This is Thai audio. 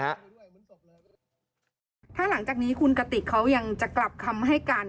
ถ้าหลังจากนี้คุณกติกเขายังจะกลับคำให้การ